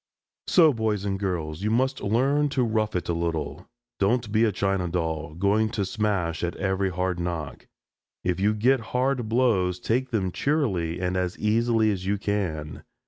So, boys and girls, you must learn to rough it a little. Don't be a china doll, going to smash at every hard knock. If you get hard blows take them cheerily and as easily as you can.